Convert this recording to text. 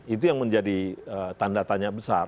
itu yang menjadi tanda tanya besar